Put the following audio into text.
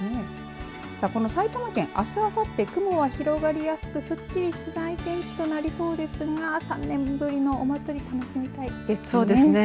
埼玉県、あすあさって雲は広がりやすくすっきりしない天気となりそうですが３年ぶりのお祭り楽しみたいですね。